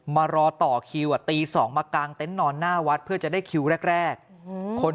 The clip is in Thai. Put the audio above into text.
มารอต่อคิวตี๒มากางเต็นต์นอนหน้าวัดเพื่อจะได้คิวแรกคน